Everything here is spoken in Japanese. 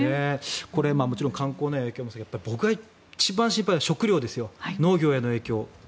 これ観光への影響もそうですが僕が一番心配なのは食料ですよ、農業への影響。